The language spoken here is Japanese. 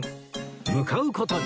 向かう事に